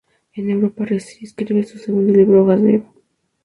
En Europa escribe su segundo libro "Hojas de Eva".